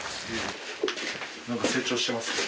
何か成長してますね。